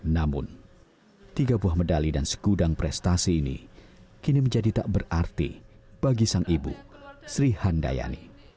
namun tiga buah medali dan segudang prestasi ini kini menjadi tak berarti bagi sang ibu sri handayani